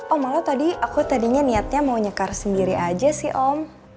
oh malah tadi aku tadinya niatnya mau nyekar sendiri aja sih om